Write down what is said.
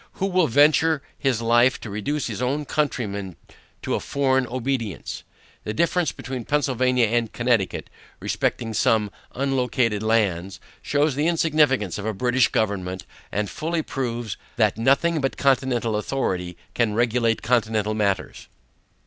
Who will venture his life to reduce his own countrymen to a foreign obedience? The difference between Pennsylvania and Connecticut, respecting some unlocated lands, shews the insignificance of a British government, and fully proves, that nothing but Continental authority can regulate Continental matters.